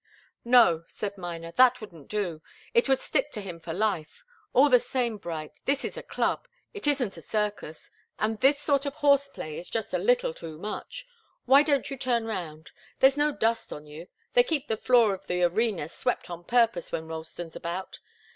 "No," said Miner. "That wouldn't do. It would stick to him for life. All the same, Bright, this is a club it isn't a circus and this sort of horse play is just a little too much. Why don't you turn round? There's no dust on you they keep the floor of the arena swept on purpose when Ralston's about.